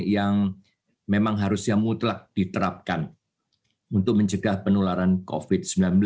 yang memang harusnya mutlak diterapkan untuk mencegah penularan covid sembilan belas